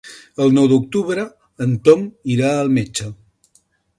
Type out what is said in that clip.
El nou d'octubre en Tom irà al metge.